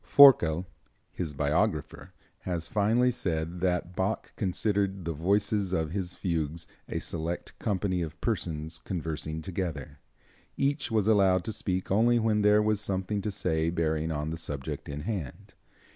Forkel, his biographer, has finely said that Bach considered the voices of his fugues a select company of persons conversing together. Each was allowed to speak only when there was something to say bearing on the subject in hand.